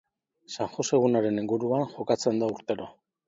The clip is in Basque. San Jose egunaren inguruan jokatzen da urtero.